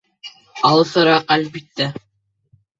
Алыҫыраҡ, әлбиттә.